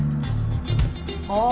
ああ！